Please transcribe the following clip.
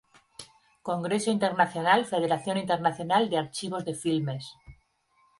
Congreso Internacional Federación Internacional de Archivos de Filmes.